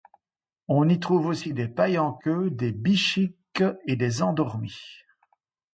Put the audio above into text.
On y trouve aussi des pailles-en-queues, des bichiques, et des endormis.